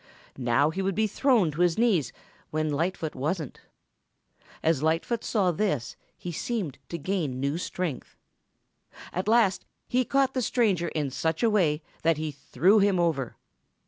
Now he would be thrown to his knees when Lightfoot wasn't. As Lightfoot saw this, he seemed to gain new strength. At last he caught the stranger in such a way that he threw him over.